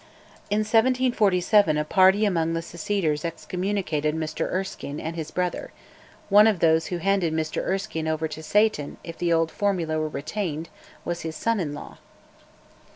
In 1747 a party among the Seceders excommunicated Mr Erskine and his brother; one of those who handed Mr Erskine over to Satan (if the old formula were retained) was his son in law.